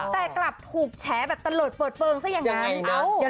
แต่กลับถูกแฉแบบตะเลิดเปิดเปลืองซะอย่างนั้น